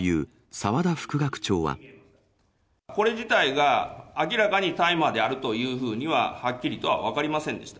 これ自体が明らかに大麻であるというふうには、はっきりとは分かりませんでした。